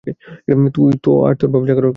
তুই আর তোর বাপ, যা করার কর।